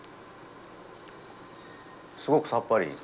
すごくさっぱり。